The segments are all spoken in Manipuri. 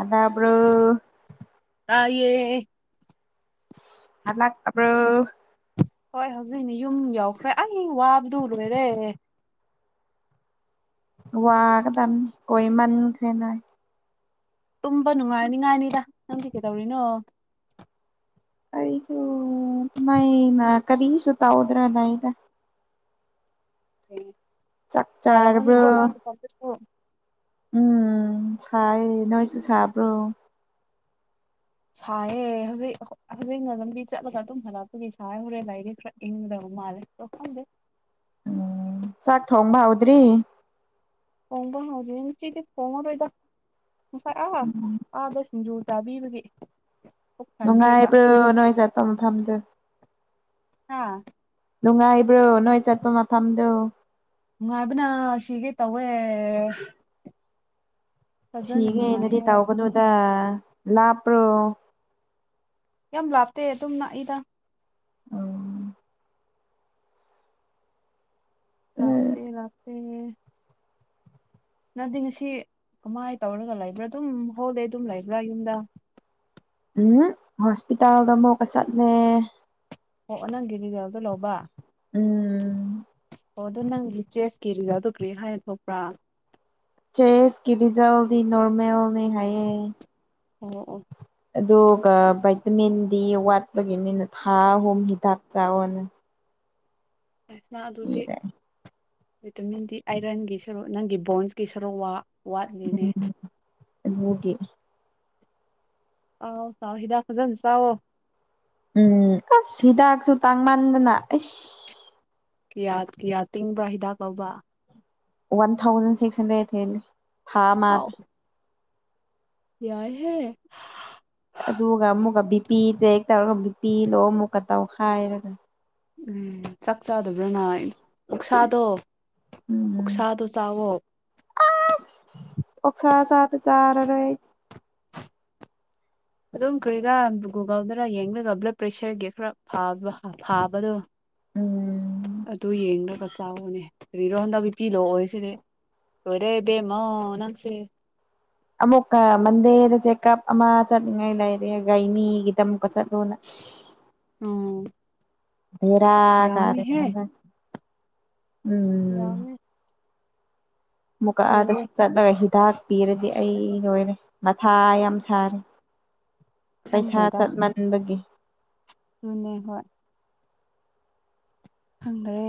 ꯑꯅꯥꯕ꯭ꯔꯣ ꯇꯥꯏꯌꯦ ꯍꯜꯂꯛꯇꯕ꯭ꯔꯣ ꯍꯣꯏ ꯍꯧꯖꯤꯛꯅ ꯌꯨꯝ ꯌꯧꯈ꯭ꯔꯦ ꯑꯩ ꯋꯥꯕꯗꯨ ꯂꯣꯏꯔꯦ ꯋꯥꯒꯗꯝꯅꯤ ꯑꯣꯏꯃꯟ ꯈꯔꯦ ꯅꯣꯏ ꯇꯨꯝꯕ ꯅꯨꯡꯉꯥꯏꯅꯤꯉꯥꯏꯅꯤꯗ ꯅꯪꯗꯤ ꯀꯩꯗꯧꯔꯤꯅꯣ ꯑꯩꯁꯨ ꯃꯩ ꯅ ꯀꯔꯤꯁꯨ ꯇꯧꯗ꯭ꯔꯦ ꯂꯩꯗ ꯑꯩ ꯆꯥꯛ ꯆꯥꯔꯕ꯭ꯔꯣ ꯁꯥꯔꯝꯒꯅꯤꯀꯣ ꯅꯪꯒꯤ [inaudible] ꯎꯝ ꯁꯥꯌꯦ ꯅꯣꯏꯁꯨ ꯁꯥꯕ꯭ꯔꯣ ꯁꯥꯏꯌꯦ ꯍꯧꯖꯤꯛ ꯍꯧꯖꯤꯛꯅ ꯂꯝꯕꯤ ꯆꯠꯂꯒ ꯑꯗꯨꯝ ꯍꯜꯂꯛꯄꯒꯤ ꯁꯥꯏ ꯍꯣꯔꯦꯟ ꯂꯩꯔꯗꯤ ꯈꯔꯥ ꯏꯤꯡꯒꯗꯧꯕ ꯃꯜꯂꯦ ꯗꯣ ꯈꯪꯗꯦ ꯎꯝ ꯆꯥꯛ ꯊꯣꯡꯕ ꯍꯧꯗꯔ꯭ꯤ ꯊꯣꯡꯕ ꯍꯧꯗꯔꯤ ꯉꯁꯤꯗꯤ ꯊꯣꯡꯉꯔꯣꯏꯗ ꯉꯁꯥꯏ ꯑꯥ ꯑꯥꯗ ꯁꯤꯡꯖꯨ ꯆꯕꯤꯕꯒꯤ ꯅꯨꯡꯉꯥꯏꯕ꯭ꯔꯣ ꯅꯣꯏ ꯆꯠꯄꯥ ꯃꯐꯝꯗꯨ ꯍꯥꯥ ꯅꯨꯡꯉꯥꯏꯕ꯭ꯔꯣ ꯅꯣꯏ ꯆꯠꯄ ꯃꯐꯝꯗꯣ ꯅꯨꯡꯉꯥꯏꯕꯅꯥ ꯁꯤꯒꯦ ꯇꯧꯋꯦ ꯐꯖꯅ ꯁꯤꯒꯦꯅꯗꯤ ꯅꯨꯡꯉꯥꯏꯌꯦ ꯇꯧꯒꯅꯨꯗ ꯂꯥꯞꯄ꯭ꯔꯣ ꯌꯥꯝ ꯂꯥꯞꯇꯦ ꯑꯗꯨꯝ ꯅꯥꯛꯏꯗ ꯑꯣ ꯂꯥꯞꯇꯦ ꯂꯥꯞꯇꯦ ꯅꯪꯗꯤ ꯉꯁꯤ ꯀꯃꯥꯏ ꯇꯧꯔꯒꯥ ꯂꯩꯕ꯭ꯔꯥ ꯗꯨꯝ ꯍꯣꯜꯗꯦ ꯗꯨꯝ ꯂꯩꯕ꯭ꯔꯥ ꯌꯨꯝꯗ ꯎꯝ ꯍꯣꯁꯄꯤꯇꯥꯜꯗ ꯑꯃꯨꯛꯀꯥ ꯆꯠꯂꯦ ꯑꯣ ꯑꯣ ꯅꯪꯒꯤ ꯔꯤꯖꯥꯜꯗꯣ ꯂꯧꯕ ꯎꯝ ꯑꯣ ꯑꯗꯣ ꯅꯪꯒꯤ ꯆꯦꯁꯀꯤ ꯔꯤꯖꯜꯗꯣ ꯀꯔꯤ ꯍꯥꯏꯅ ꯊꯣꯛꯄ꯭ꯔꯥ ꯆꯦꯁꯀꯤ ꯔꯤꯖꯜꯗꯤ ꯅꯣꯔꯃꯦꯜꯅꯤ ꯍꯥꯏꯌꯦ ꯑꯣ ꯑꯣ ꯑꯗꯨꯒ ꯚꯥꯏꯠꯇꯥꯃꯤꯟꯗꯤ ꯋꯥꯠꯄꯒꯤꯅꯤꯅ ꯊꯥ ꯑꯍꯨꯝ ꯍꯤꯗꯥꯛ ꯆꯥꯑꯣꯅ ꯅꯥ ꯑꯗꯨꯗꯤ ꯏꯔꯦ ꯚꯤꯇꯥꯃꯤꯟ ꯗꯤ ꯑꯥꯏꯔꯟꯒꯤ ꯁꯔꯨ ꯅꯪꯒꯤ ꯕꯣꯟꯁꯀꯤ ꯁꯔꯨ ꯋꯥ ꯋꯥꯠꯂꯤꯅꯦ ꯎꯝ ꯑꯗꯨꯒꯤ ꯑꯥꯎ ꯆꯥꯎ ꯍꯤꯗꯥꯥꯛ ꯐꯖꯟ ꯆꯥꯎꯋꯣ ꯎꯝ ꯑꯁ ꯍꯤꯗꯥꯛꯁꯨ ꯇꯥꯡꯃꯥꯟꯗꯅ ꯑꯩꯁ ꯀꯤꯌꯥ ꯀꯤꯌꯥ ꯇꯤꯡꯕ꯭ꯔꯥ ꯍꯤꯗꯥꯛ ꯂꯧꯕ ꯋꯥꯟ ꯊꯥꯎꯖꯟ ꯁꯤꯛꯁ ꯍꯟꯗ꯭ꯔꯦꯗ ꯍꯦꯜꯂꯤ ꯊꯥ ꯑꯥꯎ ꯑꯃꯗ ꯌꯥꯏꯍꯦ ꯑꯗꯨꯒ ꯑꯃꯨꯛꯀꯥ ꯕꯤꯄꯤ ꯆꯦꯛ ꯇꯧꯔꯒ ꯕꯤꯄꯤ ꯂꯣ ꯑꯃꯨꯛꯀꯥ ꯇꯧꯈꯥꯏꯔꯒ ꯎꯝ ꯆꯥꯛ ꯆꯥꯗꯕ꯭ꯔꯥ ꯅꯪ ꯎꯛꯁꯥꯗꯣ ꯎꯛꯁꯥꯗꯣ ꯆꯥꯋꯣ ꯑꯁ ꯑꯣꯛꯁꯥ ꯁꯥꯗꯣ ꯆꯔꯔꯣꯏ ꯑꯩ ꯑꯗꯨꯝ ꯀꯔꯤꯔꯥ ꯒꯨꯒꯜꯗꯔꯥ ꯌꯦꯡꯂꯒ ꯕ꯭ꯂꯗ ꯄ꯭ꯔꯦꯁꯔꯒꯤ ꯈꯔ ꯐꯕ ꯐꯥꯕꯗꯣ ꯎꯝ ꯑꯗꯨ ꯌꯦꯡꯂꯒ ꯆꯥꯎꯋꯣꯅꯦ ꯀꯔꯤꯔꯣ ꯍꯟꯗꯛ ꯕꯤ ꯄꯤ ꯂꯣ ꯑꯣꯏꯁꯤꯗꯤ ꯂꯣꯏꯔꯦ ꯕꯦꯝꯃꯣ ꯅꯪꯁꯦ ꯑꯃꯨꯛꯀꯥ ꯃꯟꯗꯦꯗ ꯆꯦꯛꯑꯞ ꯑꯃ ꯆꯠꯅꯤꯡꯉꯥꯏ ꯂꯩꯔꯦ ꯒꯥꯏꯅꯤꯒꯤꯗ ꯑꯃꯨꯛꯀꯥ ꯆꯠꯂꯨꯅ ꯎꯝ [inaudible] ꯚꯦꯔꯥ ꯀꯥꯔꯦꯗ ꯌꯥꯝꯃꯤꯍꯦ ꯍꯟꯗꯛ ꯎꯝ ꯌꯥꯝꯃꯦ ꯑꯃꯨꯛꯀꯥ ꯂꯣꯏꯔꯦ ꯑꯗꯁꯨ ꯆꯠꯂꯒ ꯍꯤꯗꯥꯛ ꯄꯤꯔꯗꯤ ꯑꯩ ꯂꯣꯏꯔꯦ ꯃꯊꯥ ꯌꯥꯝ ꯁꯥꯔꯦ ꯄꯩꯁꯥ ꯆꯠꯃꯟꯕꯒꯤ ꯇꯨꯅꯦ ꯍꯣꯏ ꯈꯪꯗ꯭ꯔꯦ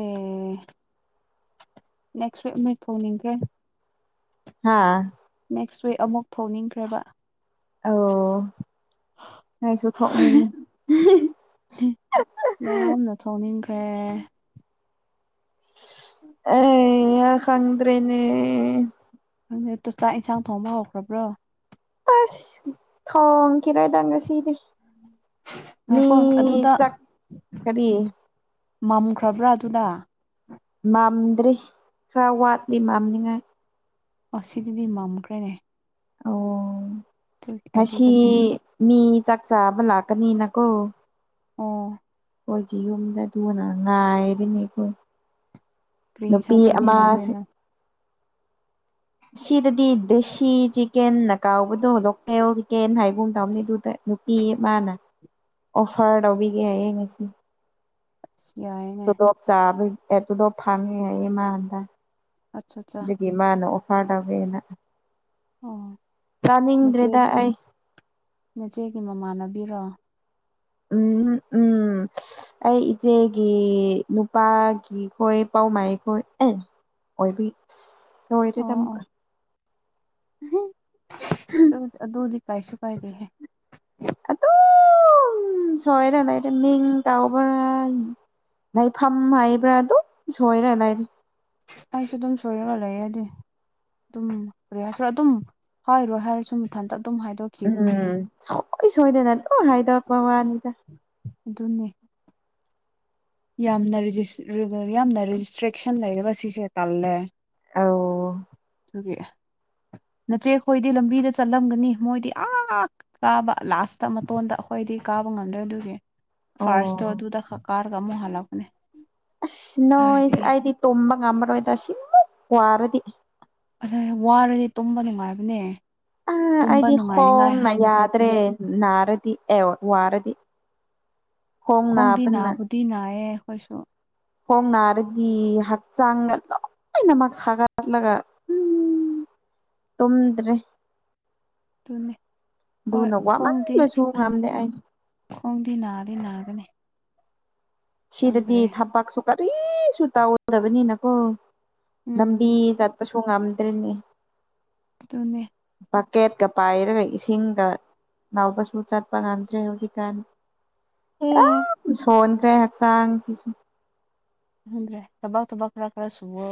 ꯅꯦꯛꯁ ꯋꯤꯛ ꯃꯤ ꯊꯣꯛꯅꯤꯡꯈ꯭ꯔꯦ ꯍꯥꯥ ꯅꯦꯛꯁ ꯋꯤꯛ ꯑꯃꯨꯛ ꯊꯣꯛꯅꯤꯡꯈ꯭ꯔꯦꯕ ꯑꯧ ꯑꯩꯁꯨ ꯊꯣꯛꯅꯤꯡꯉꯤ [unintelligible] [unintelligible] ꯌꯥꯝꯅ ꯊꯣꯡꯅꯤꯡꯈ꯭ꯔꯦ ꯑꯩ ꯌꯥ ꯈꯪꯗ꯭ꯔꯦꯅꯦ [unintelligible] ꯆꯥꯛ ꯏꯟꯁꯥꯡ ꯊꯣꯡꯕ ꯍꯧꯈ꯭ꯔꯕ꯭ꯔꯣ ꯑꯁ ꯊꯣꯡꯈꯤꯔꯦꯗ ꯉꯁꯤꯗꯤ ꯃꯤ ꯉꯥꯏꯈꯣ ꯑꯗꯨꯗ [unintelligible] ꯀꯔꯤ ꯃꯝꯈ꯭ꯔꯕ꯭ꯔꯥ ꯑꯗꯨꯗ ꯃꯥꯝꯗ꯭ꯔꯤ ꯈꯔ ꯋꯥꯠꯂꯤ ꯃꯝꯅꯤꯉꯥꯏ ꯑꯁꯤꯗꯗꯤ ꯃꯝꯈ꯭ꯔꯦꯅꯦ ꯑꯣ ꯉꯁꯤ ꯑꯗꯨꯗꯗꯤ ꯃꯤ ꯆꯥꯛ ꯆꯥꯕ ꯂꯥꯛꯀꯅꯤꯅꯀꯣ ꯎꯝ ꯃꯣꯏꯒꯤ ꯌꯨꯝꯗ ꯗꯨꯅ ꯉꯥꯏꯔꯤꯅꯤ ꯑꯩꯈꯣꯏ ꯀ꯭ꯔꯤ ꯅꯨꯄꯤ ꯏꯟꯁꯥꯡ ꯑꯃꯥ ꯁꯦ ꯆꯥꯃꯤꯟꯅꯗꯣꯏꯅꯣ ꯁꯤꯗꯗꯤ ꯗꯦꯁꯤ ꯆꯤꯛꯀꯦꯟꯅ ꯀꯥꯎꯕꯗꯣ ꯂꯣꯀꯦꯜ ꯆꯤꯛꯀꯦꯟ ꯍꯥꯏꯕꯒꯨꯝ ꯇꯧꯕꯅꯤ ꯑꯗꯨꯗ [unintelligible] ꯅꯨꯄꯤ ꯃꯥꯅ ꯑꯣꯐꯔ ꯇꯧꯕꯤꯒꯦ ꯍꯥꯏꯌꯦ ꯉꯁꯤ ꯌꯥꯏꯅꯦ ꯇꯣꯂꯣꯞ ꯆꯥꯕ [unintelligible] ꯐꯪꯉꯦ ꯍꯥꯏꯌꯦ ꯃꯥꯉꯣꯟꯗ ꯑꯆꯥ ꯆꯥ [unintelligible] ꯃꯥꯅ ꯑꯣꯐꯔ ꯇꯧꯕꯤꯅ ꯑꯣ ꯅꯆꯦ ꯆꯥꯅꯤꯡꯗ꯭ꯔꯦꯗ ꯑꯩ ꯅꯆꯦꯒꯤ ꯃꯃꯥꯟꯅꯕꯤꯔꯣ ꯎꯝ ꯎꯝ ꯑꯩ ꯏꯆꯦꯒꯤ ꯅꯨꯄꯥꯒꯤ ꯈꯣꯏ [unintelligible] ꯑꯣꯏꯕꯤ [unintelligible] ꯁꯣꯏꯗ꯭ꯔꯦ ꯑꯣ [unintelligible] [unintelligible] ꯑꯗꯨ ꯑꯗꯨꯗꯤ ꯀꯩꯁꯨ ꯀꯥꯏꯗꯦꯍꯦ ꯑꯗꯨꯝ ꯁꯣꯏꯔ ꯂꯩꯔꯦ ꯃꯤꯡ ꯇꯥꯎꯕ꯭ꯔ ꯂꯩꯐꯝ ꯍꯥꯏꯕ꯭ꯔꯥ ꯑꯗꯨꯝ ꯁꯣꯏꯔ ꯂꯩꯔꯦ ꯑꯩꯁꯨ ꯑꯗꯨꯝ ꯁꯣꯏꯔꯒ ꯂꯩꯌꯦꯗꯤ [unintelligible] ꯔꯤꯌꯥꯁꯨ ꯑꯗꯨꯝ ꯍꯥꯏꯔꯣꯏ ꯍꯥꯏꯔꯁꯨ ꯃꯊꯟꯇ ꯑꯗꯨꯝ ꯍꯥꯏꯗꯣꯛ ꯎꯝ ꯁꯣꯏ ꯁꯣꯏꯗꯅ ꯑꯗꯨꯝ ꯍꯥꯏꯗꯣꯛꯄ ꯋꯥꯅꯤꯗ ꯑꯗꯨꯅꯦ ꯌꯥꯝꯅ [unintelligible] ꯌꯥꯝꯅ ꯔꯦꯁꯇ꯭ꯔꯤꯛꯁꯟ ꯂꯩꯕ ꯁꯤꯁꯨ ꯇꯜꯂꯦ ꯑꯧ ꯗꯨꯒꯤ ꯅꯆꯦꯈꯣꯏꯗꯤ ꯂꯝꯕꯤꯗ ꯆꯠꯂꯝꯒꯅꯤ ꯃꯣꯏꯗꯤ ꯑꯥ ꯀꯥꯕ ꯂꯥꯁꯇ ꯃꯇꯣꯟꯗ ꯑꯈꯣꯏꯗꯤ ꯀꯥꯕ ꯉꯝꯗ꯭ꯔꯦ ꯗꯨꯒꯤ ꯐꯥꯔꯁꯇꯣ ꯑꯣ ꯑꯗꯨꯗ ꯈꯛ ꯀꯥꯏ [unintelligible] ꯑꯃꯨꯛ ꯍꯥꯜꯂꯛꯄꯅꯦ ꯑꯁ ꯅꯣꯏꯁꯦ ꯑꯩꯗꯤ ꯇꯨꯝꯕ ꯉꯝꯃꯔꯣꯏꯗ ꯁꯤꯃꯨꯛ ꯋꯥꯔꯗꯤ ꯑꯔꯦ ꯋꯥꯔꯗꯤ ꯇꯨꯝꯕ ꯅꯨꯡꯉꯥꯏꯕꯅꯦ ꯑ ꯇꯨꯝꯕ ꯑꯩꯗꯤ ꯅꯨꯡꯉꯥꯏꯅꯤꯉꯥꯏ ꯈꯣꯡꯅ ꯍꯥꯏꯅ ꯌꯥꯗ꯭ꯔꯦ ꯆꯠꯄꯅꯦ ꯅꯥꯔꯗꯤ ꯑꯦ ꯋꯥꯔꯗꯤ ꯈꯣꯡ ꯈꯣꯡꯗꯤ ꯅꯥꯕꯅ ꯅꯥꯕꯨꯗꯤ ꯅꯥꯏꯌꯦ ꯈꯣꯏꯁꯨ ꯈꯣꯡ ꯅꯥꯔꯗꯤ ꯍꯛꯆꯥꯡ ꯂꯣꯏꯅꯃꯛ ꯁꯥꯒꯠꯂꯒ ꯎꯝ ꯇꯨꯝꯗ꯭ꯔꯦ ꯗꯨꯅꯤ ꯍꯣꯏ ꯑꯗꯨꯅ ꯈꯣꯡꯗꯤ ꯋꯥꯃꯜꯂꯁꯨ ꯉꯝꯗꯦ ꯑꯩ ꯈꯣꯡꯗꯤ ꯅꯥꯗꯤ ꯅꯥꯒꯅꯤ ꯁꯤꯗꯗꯤ ꯈꯪꯗ꯭ꯔꯦ ꯊꯕꯛꯁꯨ ꯀꯔꯤꯁꯨ ꯇꯥꯎꯗꯕꯅꯤꯅꯀꯣ ꯂꯝꯕꯤ ꯎꯝ ꯆꯠꯄꯁꯨ ꯉꯝꯗ꯭ꯔꯦꯅꯦ ꯇꯣꯅꯦ [unintelligible] ꯕꯛꯀꯦꯠꯀ ꯄꯥꯏꯔꯒ ꯏꯁꯤꯡꯗ ꯂꯧꯕꯁꯨ ꯆꯠꯄ ꯉꯝꯗ꯭ꯔꯦ ꯍꯧꯖꯤꯛꯀꯥꯟ ꯈꯪꯗ꯭ꯔꯦ ꯌꯥꯝ ꯁꯣꯟꯈ꯭ꯔꯦ ꯍꯛꯆꯥꯡꯁꯤꯁꯨ ꯎꯗ꯭ꯔꯦ ꯊꯕꯥꯥꯛ ꯊꯕꯥꯥꯛ ꯈꯔ ꯈꯔ ꯁꯨꯋꯣ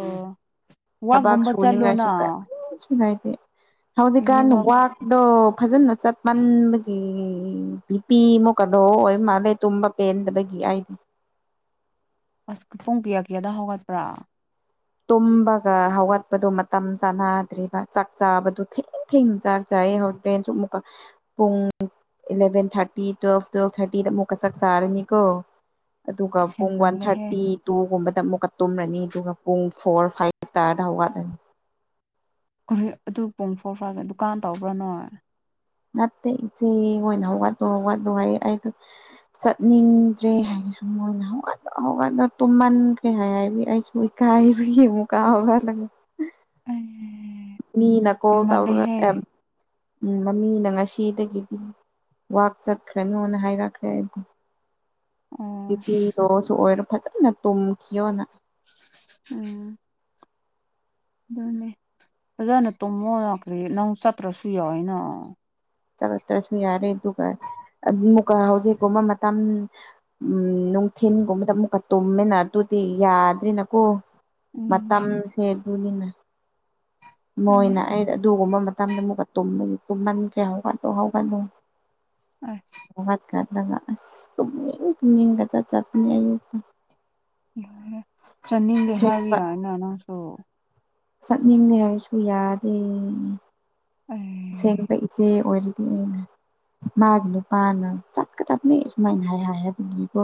ꯋꯥꯒꯨꯝꯕ ꯆꯠꯂꯨꯅ ꯍꯥꯏꯇꯦ ꯍꯧꯖꯤꯛꯀꯥꯟꯗꯤ ꯋꯥꯛ ꯑꯗꯣ ꯐꯖꯅ ꯆꯠ ꯃꯟꯕꯒꯤ ꯕꯤ ꯄꯤ ꯛꯃꯨꯛꯒ ꯂꯣ ꯑꯣꯏ ꯃꯥꯜꯂꯦ ꯇꯨꯝꯕ ꯄꯦꯟꯗꯕꯒꯤ ꯑꯩꯗꯤ ꯑꯁ ꯄꯨꯡ ꯀꯌꯥ ꯀꯌꯥꯗ ꯍꯠꯒꯠꯄ꯭ꯔꯥ ꯇꯨꯝꯕꯒ ꯍꯧꯋꯥꯠꯄꯗꯨ ꯃꯇꯝ ꯆꯥꯟꯅꯗ꯭ꯔꯤꯕ ꯆꯥꯛ ꯆꯥꯕꯗꯨ ꯊꯦꯡ ꯊꯦꯡꯅ ꯆꯥꯛ ꯆꯥꯏ ꯍꯣꯔꯦꯟꯁꯨꯨ ꯑꯃꯨꯛꯀ ꯄꯨꯡ ꯏꯂꯚꯦꯟ ꯊꯥꯔꯇꯤ ꯇꯨꯋꯦꯜꯐ ꯇꯨꯋꯦꯜꯞ ꯊꯥꯔꯇꯤꯗ ꯑꯃꯨꯛꯀ ꯆꯛ ꯆꯥꯔꯅꯤꯀꯣ ꯑꯗꯨꯒ ꯑꯁ ꯄꯨꯡ ꯋꯥꯟ ꯍꯦꯟꯃꯜꯂꯦꯍꯦ ꯊꯥꯔꯇꯤ ꯇꯨꯒꯨꯝꯕꯗ ꯑꯃꯨꯛꯀ ꯇꯨꯝꯔꯅꯤ ꯑꯗꯨꯒ ꯄꯨꯡ ꯐꯣꯔ ꯐꯥꯏꯚ ꯇꯥꯔꯗ ꯍꯧꯒꯠꯂꯅꯤ ꯀꯔꯤ ꯑꯗꯨ ꯄꯨꯡ ꯐꯣꯔ ꯐꯥꯐ ꯗꯨꯀꯥꯟ ꯇꯧꯕ꯭ꯔꯥ ꯅꯣꯏ ꯅꯠꯇꯦ ꯏꯆꯦ ꯍꯣꯏꯅ ꯍꯧꯒꯠꯌꯣ ꯍꯧꯒꯠꯂꯣ ꯑꯩꯗꯣ ꯆꯠꯅꯤꯡꯗ꯭ꯔꯦ ꯍꯥꯏꯅꯁꯨ ꯃꯣꯏꯅ ꯍꯧꯒꯠ ꯍꯧꯀꯠꯂꯣ ꯇꯨꯝꯃꯟꯈ꯭ꯔꯦ ꯍꯥꯏ ꯍꯥꯏꯕꯒꯤ ꯑꯩꯁꯨ ꯀꯥꯏꯃꯨꯀ [unintelligible] [unintelligible] ꯃꯤꯅ ꯀꯣꯜ ꯇꯧꯔ ꯍꯦꯟꯃꯜꯂꯦꯍꯦ ꯑꯦꯝ ꯎꯝ ꯃꯃꯤꯅ ꯉꯁꯤꯗꯒꯤꯗꯤ ꯋꯥꯛ ꯆꯠꯈ꯭ꯔꯅꯣꯅ ꯍꯥꯏꯔꯛꯈ꯭ꯔꯦ ꯑꯩꯗꯤ ꯑꯣ ꯕꯤꯄꯤ ꯂꯣꯁꯨ ꯑꯣꯏꯔꯣ ꯐꯖꯅ ꯇꯨꯝꯈꯤꯌꯣꯅ ꯎꯝ ꯑꯗꯨꯅꯦ ꯑꯣꯖꯥꯅ ꯇꯨꯝꯃꯣ ꯀꯔꯤ ꯅꯪ ꯆꯠꯇ꯭ꯔꯁꯨ ꯌꯥꯢꯅ ꯆꯛꯇ꯭ꯔꯁꯨ ꯌꯥꯔꯦ ꯑꯗꯨꯒ ꯑꯃꯨꯛꯀ ꯍꯧꯖꯤꯛꯒꯨꯝꯕ ꯃꯇꯝ ꯎꯝ ꯅꯨꯡꯊꯤꯟꯒꯨꯝꯕꯗ ꯑꯃꯨꯛꯀ ꯇꯨꯝꯃꯦꯅ ꯑꯗꯨꯗꯤ ꯌꯥꯗ꯭ꯔꯤꯅꯀꯣ ꯎꯝ ꯃꯇꯝꯁꯦ ꯑꯗꯨꯅꯤꯅꯦ ꯑꯗꯨꯅꯦ ꯃꯣꯏꯅ ꯑꯩ ꯑꯗꯨꯒꯨꯝꯕ ꯃꯇꯝꯗ ꯑꯃꯨꯛꯀ ꯇꯨꯝꯃꯟꯕꯒꯤ ꯍꯧꯒꯠꯂꯣ ꯍꯧꯒꯠꯂꯣ ꯑꯝ ꯍꯧꯒꯠꯒꯥꯟꯗ ꯇꯨꯝꯅꯤꯡꯃꯥꯟꯗꯅ ꯆꯠꯄꯅꯦ ꯑꯌꯨꯛꯇꯤ ꯌꯥꯢꯌꯦ ꯆꯠꯅꯤꯡꯗꯦ ꯍꯥꯢꯕ ꯑꯁꯦꯡꯕ ꯌꯥꯢꯅ ꯅꯪꯁꯨ ꯆꯠꯅꯤꯡꯗꯦ ꯍꯥꯏꯔꯁꯨ ꯌꯥꯗꯦ ꯑꯩ ꯑꯁꯦꯡꯕ ꯢꯆꯦ ꯑꯣꯏꯔꯗꯤ ꯑꯩꯅ ꯃꯥꯒꯤ ꯅꯨꯄꯥꯅ ꯆꯠꯀꯗꯕꯅꯦ ꯁꯨꯃꯥꯏꯅ ꯍꯥꯏ ꯍꯥꯏ ꯍꯥꯏꯕꯒꯤꯀꯣ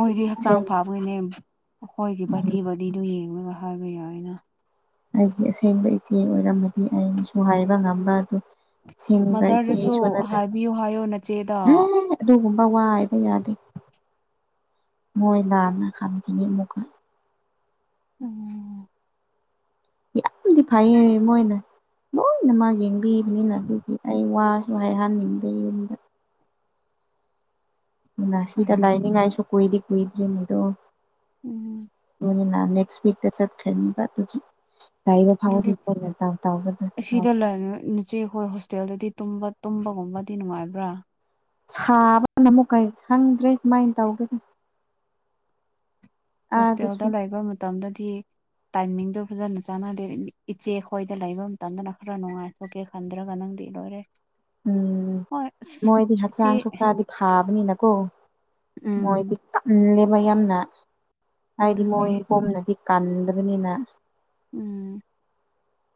ꯃꯣꯏꯗꯤ ꯍꯛꯆꯥꯡ ꯑꯁꯦꯡꯕ ꯐꯕꯒꯤꯅꯦ ꯑꯩꯈꯣꯏꯒꯤ ꯕꯣꯗꯤ ꯕꯣꯗꯤꯗꯨ ꯌꯦꯡꯉꯒ ꯍꯥꯏꯕ ꯌꯥꯏꯅ ꯑꯩꯒꯤ ꯑꯁꯦꯡꯕ ꯏꯆꯦ ꯑꯣꯏꯔꯝꯃꯗꯤ ꯑꯩꯅꯁꯨ ꯍꯥꯏꯕ ꯉꯝꯕ ꯑꯗꯨ ꯑꯁꯦꯡꯕ ꯃꯥꯗꯔꯗꯁꯨ ꯢꯆꯦꯁꯨ ꯅꯠꯇꯦ ꯍꯥꯏꯕꯤꯌꯨ ꯍꯥꯏꯌꯣ ꯅꯆꯦꯗ ꯑꯗꯨꯒꯨꯝꯕ ꯋꯥ ꯍꯥꯏꯕ ꯌꯥꯗꯦ ꯃꯣꯏ ꯂꯥꯟꯅ ꯍꯟꯈꯤꯅꯤ ꯑꯃꯨꯛꯀ ꯎꯝ ꯌꯥꯝꯗꯤ ꯐꯩꯌꯦ ꯃꯣꯏꯅ ꯂꯣꯏꯅꯃꯛ ꯌꯦꯡꯕꯤꯕꯅꯤꯅ ꯑꯗꯨꯗꯤ ꯑꯩ ꯋꯥ ꯂꯩꯍꯥꯟꯅꯤꯡꯗꯦ ꯌꯨꯝꯗ ꯁꯤꯗ ꯂꯥꯏꯅꯤꯡꯉꯥꯏꯁꯨ ꯀꯨꯏꯗꯤ ꯀꯨꯏꯗ꯭ꯔꯤꯅꯤꯗꯣ ꯎꯝ ꯅꯦꯛꯁ ꯋꯤꯛꯇ ꯆꯠꯈ꯭ꯔꯅꯦꯕ ꯑꯗꯨꯒꯤ ꯂꯩꯕ ꯐꯥꯎꯗꯤ ꯑꯗꯨꯗꯤ ꯃꯣꯏꯅ ꯇꯧ ꯇꯧꯕꯗ ꯇꯧ ꯑꯁꯤꯗ ꯂꯩ ꯅꯆꯧ ꯈꯣꯏ ꯍꯣꯇꯦꯜꯗꯗꯤꯕ ꯇꯨꯝꯕꯒꯨꯝꯕꯗꯤ ꯅꯨꯡꯉꯥꯏꯕ꯭ꯔꯥ ꯁꯥꯕꯥꯟꯅ ꯃꯣꯀꯩ ꯁꯪꯗ꯭ꯔꯦ ꯀꯃꯥꯏꯅ ꯇꯧꯒꯅꯤ ꯑꯥꯗꯁꯨ ꯍꯣꯁꯇꯦꯜꯗ ꯂꯩꯕ ꯃꯇꯝꯗꯗꯤ ꯇꯥꯏꯃꯤꯡꯗꯣ ꯐꯖꯅ ꯆꯥꯟꯅꯗꯦ ꯏꯆꯦ ꯈꯣꯏꯗ ꯂꯩꯕ ꯃꯇꯝꯗꯅ ꯈꯔ ꯅꯨꯡꯉꯥꯏ ꯑꯣꯀꯦ ꯈꯟꯗ꯭ꯔꯒ ꯅꯪꯗꯤ ꯂꯣꯏꯔꯦ ꯎꯝ ꯍꯣꯏ ꯑꯁ ꯃꯣꯏꯗꯤ ꯏꯆꯦ ꯍꯛꯆꯥꯡꯁꯨ ꯈꯔꯗꯤ ꯐꯥꯕꯅꯤꯅꯀꯣ ꯎꯝ ꯃꯣꯏꯗꯤ ꯎ ꯂꯦꯕ ꯌꯥꯝꯅ ꯍꯥꯏꯗꯤ ꯑꯗꯨꯅꯦ ꯃꯣꯏ ꯕꯣꯝꯅꯗꯤ ꯀꯟꯗꯕꯅꯤꯅ ꯎꯝ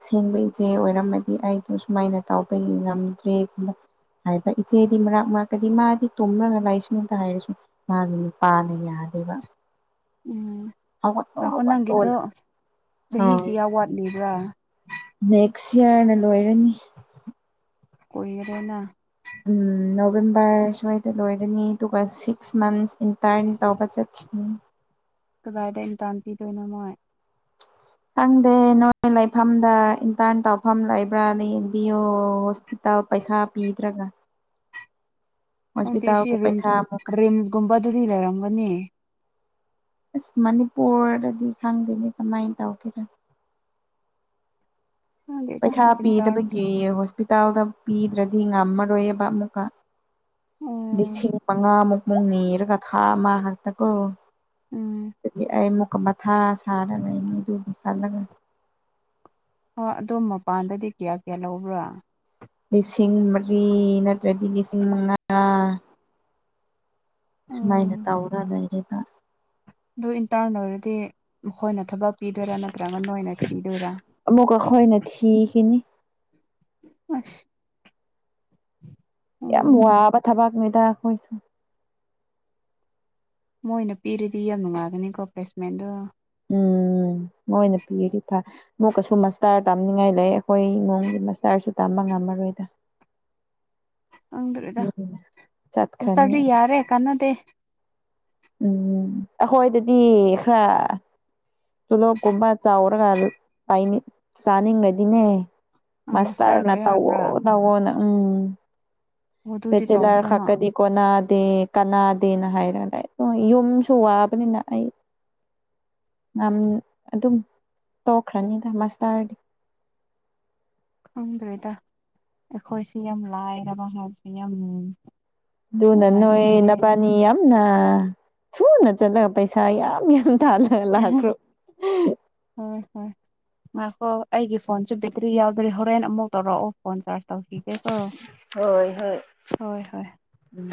ꯁꯦꯡꯕ ꯏꯆꯦ ꯑꯣꯏꯔꯝꯃꯗꯤ ꯑꯩꯗꯣ ꯁꯨꯃꯥꯏꯅ ꯇꯥꯎꯕ ꯌꯦꯡ ꯉꯝꯗ꯭ꯔꯦꯒꯨꯝꯕ ꯍꯥꯏꯕ ꯏꯆꯦꯗꯤ ꯃꯛ ꯃꯔꯛꯀꯗꯤ ꯃꯥꯗꯤ ꯇꯨꯝꯂꯒ ꯂꯥꯏꯁꯅꯨꯇ ꯍꯥꯏꯔꯁꯨ ꯃꯥꯅ ꯅꯨꯄꯥꯅ ꯌꯥꯗꯦꯕ ꯎꯝ ꯍꯧꯒꯠꯂꯣ ꯉꯥꯏꯈꯣ ꯅꯪꯒꯤꯗꯣ ꯍꯧꯒꯠꯂꯣꯅ ꯆꯍꯤ ꯑꯥ ꯀꯌꯥ ꯋꯥꯠꯂꯤꯕ꯭ꯔꯥ ꯅꯦꯛꯁ ꯏꯌꯥꯔꯅ ꯂꯣꯏꯔꯅꯤ ꯀꯣꯏꯔꯦꯅ ꯅꯣꯕꯦꯝꯕꯔ ꯁ꯭ꯋꯥꯏꯗ ꯂꯣꯏꯔꯅꯤ ꯑꯗꯨꯒ ꯁꯤꯛꯁ ꯃꯟꯁ ꯏꯟꯇꯔꯟ ꯇꯧꯕ ꯆꯠ ꯎꯝ ꯀꯗꯥꯏꯗ ꯏꯟꯇꯥꯟ ꯄꯤꯗꯣꯏꯅꯣ ꯃꯣꯏ ꯈꯪꯗꯦ ꯅꯣꯏ ꯂꯩꯐꯝꯗ ꯏꯟꯇꯔꯟ ꯇꯧꯐꯝ ꯂꯩꯕ꯭ꯔꯥꯅ ꯌꯦꯡꯕꯤꯌꯨ ꯇꯧ ꯄꯩꯁꯥ ꯄꯤꯗ꯭ꯔꯒ ꯈꯪꯗ‌ꯦ ꯁꯤ ꯍꯣꯁꯄꯤꯇꯥꯜꯒꯤ ꯄꯩꯁꯥ ꯔꯤꯝꯁ ꯑꯃꯨꯛꯀ ꯔꯤꯝꯁꯒꯨꯝꯕ ꯑꯗꯨꯗꯤ ꯂꯩꯔꯝꯒꯅꯤ ꯑꯁ ꯃꯅꯤꯄꯨꯔꯗꯗꯤ ꯈꯪꯗꯦꯅꯦ ꯀꯃꯥꯏꯅ ꯇꯧꯒꯦꯔ ꯈꯪꯗꯦꯗ ꯄꯩꯁꯥ ꯏꯟꯇꯔꯟ ꯄꯤꯗꯕꯒꯤ ꯍꯣꯁꯄꯤꯇꯥꯜꯗ ꯄꯤꯗ꯭ꯔꯗꯤ ꯉꯝꯃꯔꯣꯏꯑꯕ ꯑꯃꯨꯛꯀ ꯎꯝ ꯂꯤꯁꯤꯡ ꯃꯉꯥꯃꯨꯛꯃꯨꯛ ꯅꯅꯤꯔꯒ ꯊꯥ ꯃꯥ ꯉꯥꯛꯇꯀꯣ ꯎꯝ ꯑꯗꯒꯤ ꯑꯩ ꯑꯃꯨꯛꯀ ꯃꯊꯥ ꯁꯥꯔ ꯂꯩꯅꯤꯗꯨꯒꯤ ꯈꯜꯂꯒ ꯍꯣꯏ ꯑꯗꯣꯝ ꯃꯄꯥꯟꯗꯗꯤ ꯀꯌꯥ ꯀꯌꯥ ꯂꯧꯕ꯭ꯔꯥ ꯂꯤꯁꯤꯡ ꯃꯔꯤ ꯅꯠꯇ꯭ꯔꯗꯤ ꯂꯤꯁꯤꯡ ꯃꯉꯥ ꯁꯨꯃꯥꯏꯅ ꯎꯝ ꯇꯧꯔ ꯂꯩꯔꯤꯕ ꯑꯗꯨ ꯏꯟꯇꯔꯟ ꯑꯣꯏꯔꯗꯤ ꯃꯈꯣꯏꯅ ꯊꯕꯛ ꯄꯤꯗꯣꯏꯔꯥ ꯅꯠꯇ꯭ꯔꯒ ꯅꯣꯏꯅ ꯊꯤꯗꯣꯏꯔꯥ ꯑꯃꯨꯛꯀ ꯑꯩꯈꯣꯏꯅ ꯊꯤꯈꯤꯅꯤ ꯑꯁ ꯌꯥꯝ ꯎꯝ ꯋꯥꯕ ꯊꯥꯕꯥꯛ ꯅꯤꯗ ꯈ‌ꯣꯏꯁ‌ꯦ ꯃꯣꯏꯅ ꯄꯤꯔꯨꯗꯤ ꯌꯥꯝ ꯅꯨꯡꯉꯥꯏꯒꯅꯤꯀꯣ ꯄ꯭ꯂꯦꯁꯃꯦꯟꯗꯣ ꯎꯝ ꯃꯣꯏꯅ ꯄꯤꯔꯤꯗꯤ ꯐ ꯃꯨꯛꯀꯁꯨ ꯃꯁꯇꯥꯔ ꯇꯝꯅꯤꯡꯉꯥꯏ ꯂꯩ ꯑꯩꯈꯣꯏ ꯏꯃꯨꯡꯒꯤ ꯃꯁꯇꯥꯔꯁꯨ ꯇꯝꯕ ꯉꯝꯃꯔꯣꯏꯗ ꯈꯪꯗ꯭ꯔꯦꯗ ꯎꯝ ꯆꯠꯈ꯭ꯔꯅꯤ ꯃꯥꯁꯇꯔꯗꯤ ꯑꯁ ꯌꯥꯔꯦ ꯀꯥꯟꯅꯗꯦ ꯎꯝ ꯑꯩꯈꯣꯏꯗꯗꯤ ꯈꯔ ꯇꯨꯂꯣꯞ ꯀꯨꯝꯕ ꯆꯥꯎꯔꯒ ꯄꯥꯏꯅꯤꯡ ꯆꯥꯅꯤꯡꯉꯗꯤꯅꯦ ꯑꯥ ꯃꯥꯁꯇꯔ ꯃꯁꯇꯥꯔꯅ ꯂꯣꯏ ꯇꯧꯋꯣ ꯍꯥꯏꯕ꯭ꯔꯥ ꯇꯋꯣꯅ ꯎꯝ ꯑꯣ ꯑꯗꯨꯗꯤ ꯕꯦꯆꯂꯔ ꯇꯧꯈ꯭ꯔꯣꯅ ꯈꯛꯀꯗꯤ ꯀꯣꯅꯥꯗꯦ ꯀꯅꯥꯗꯦꯅ ꯍꯥꯏꯔ ꯂꯩ ꯌꯨꯝꯁꯨ ꯋꯥꯕꯅꯤꯅ ꯑꯩ ꯉꯝ ꯑꯗꯨꯝ ꯇꯣꯛꯈ꯭ꯔꯅꯤꯗ ꯃꯁꯇꯥꯔꯗꯤ ꯈꯪꯗ꯭ꯔꯦꯗ ꯑꯩꯈꯣꯏꯁꯦ ꯌꯥꯝ ꯂꯥꯏꯔꯕ ꯍꯥꯏꯁꯦ ꯌꯥꯝ ꯑꯗꯨꯅ ꯅꯨꯡꯉꯥꯏꯇꯦ ꯅꯣꯏ ꯅꯄꯥ ꯅꯤ ꯌꯥꯝꯅ ꯊꯨꯅ ꯆꯠꯂꯒ ꯄꯩꯁꯥ ꯌꯥꯝ ꯌꯥꯝ ꯇꯥꯜꯂ [unintelligible] ꯂꯥꯛꯈ꯭ꯔꯣ ꯍꯣꯏ ꯍꯣꯏ ꯉꯥꯏꯈꯣ ꯑꯩꯒꯤ ꯐꯣꯟꯁꯨ ꯕꯦꯇ꯭ꯔꯤ ꯌꯥꯎꯗ꯭ꯔꯦ ꯍꯣꯔꯦꯟ ꯑꯃꯨꯛ ꯇꯧꯔꯛꯑꯣ ꯐꯣꯟ ꯆꯥꯔꯖ ꯇꯧꯈꯤꯒꯦꯀꯣ ꯍꯣꯏ ꯍꯣꯏ ꯍꯣꯏ ꯍꯣꯏ ꯎꯝ